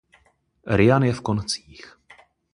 Ryan je v koncích.